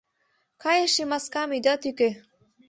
Кайыше маскам ида тӱкӧ, -